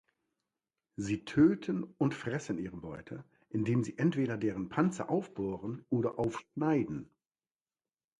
Sie töten und fressen ihre Beute, indem sie entweder deren Panzer aufbohren oder aufschneiden.